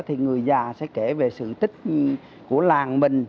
thì người già sẽ kể về sự tích của làng mình